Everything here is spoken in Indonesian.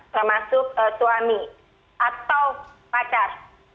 termasuk suami atau pacar